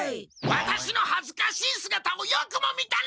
ワタシのはずかしいすがたをよくも見たな！